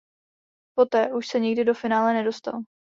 Poté už se nikdy do finále nedostalo.